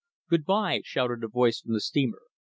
"Good bye," shouted a voice from the steamer.